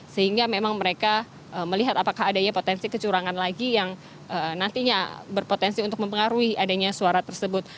sehingga memang mereka melihat apakah adanya potensi kecurangan lagi yang nantinya berpotensi untuk mempengaruhi adanya suara tersebut